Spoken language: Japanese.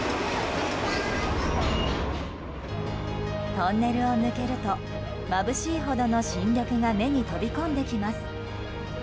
トンネルを抜けるとまぶしいほどの新緑が目に飛び込んできます。